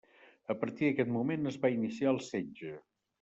A partir d'aquest moment es va iniciar el setge.